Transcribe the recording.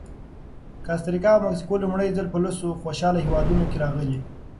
کاستریکا او مکسیکو لومړی ځل په لسو خوشحاله هېوادونو کې راغلي دي.